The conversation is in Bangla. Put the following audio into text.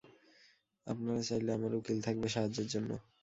আপনারা চাইলে আমার উকিল থাকবে সাহায্যের জন্য।